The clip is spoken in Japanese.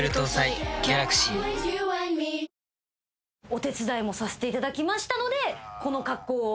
お手伝いもさせていただきましたのでこの格好を。